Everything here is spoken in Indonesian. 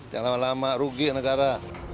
yang lama lama rugi negara